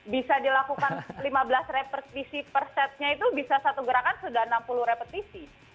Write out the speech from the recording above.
bisa dilakukan lima belas per setnya itu bisa satu gerakan sudah enam puluh repetisi